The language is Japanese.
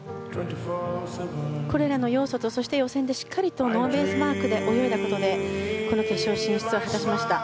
これらと予選でもしっかりとノーベースマークで泳いだことでこの決勝進出を果たしました。